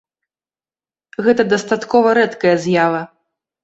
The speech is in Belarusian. Гэта дастаткова рэдкая з'ява.